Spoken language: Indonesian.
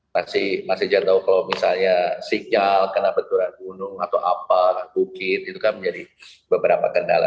masih masih jatuh kalau misalnya sinyal kena peturan gunung atau apal bukit itu kan menjadi beberapa kendala